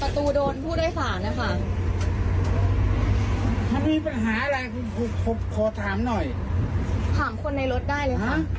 รถสายไปสายมากนี่นะ